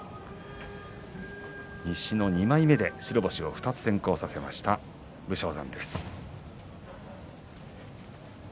西の２枚目、白星を２つ先行させました武将山です。